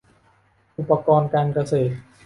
อุปกรณ์การเกษตร